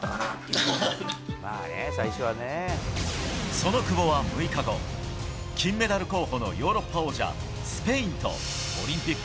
その久保は６日後金メダル候補のヨーロッパ王者スペインと、オリンピック